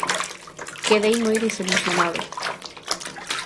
Quedei moi desilusionado.